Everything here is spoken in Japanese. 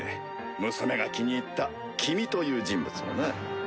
娘が気に入った君という人物をな。